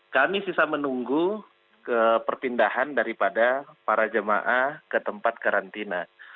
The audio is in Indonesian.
kami sisa menunggu perpindahan daripada para jemaah ke tempat karantina